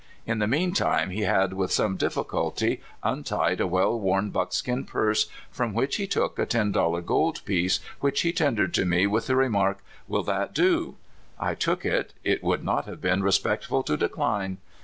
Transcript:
In the mean time he had with some difficulty untied a well worn buckskin purse, from which he took a ten dollar gold piece, which he tendered me with the remark :'' Will that do ?" I took it. It would not have been respectful to decline.